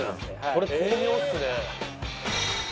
これ巧妙ですね。